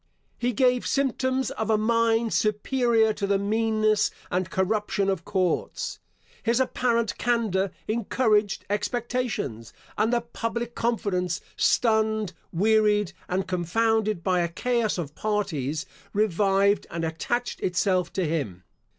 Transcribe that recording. He gave symptoms of a mind superior to the meanness and corruption of courts. His apparent candour encouraged expectations; and the public confidence, stunned, wearied, and confounded by a chaos of parties, revived and attached itself to him.